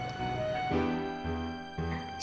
kenapa begitu ekspresinya waktu kamu begitu